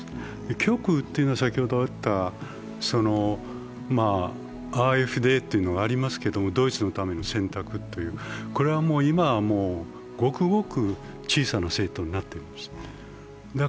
極右というのはＡｆＤというのがありますけど、ドイツのための選択という、これは今、ごくごく小さな政党になっています。